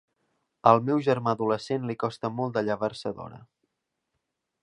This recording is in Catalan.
Al meu germà adolescent li costa molt de llevar-se d'hora.